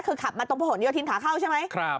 คือขับมาตรงพระหลโยธินขาเข้าใช่ไหมครับ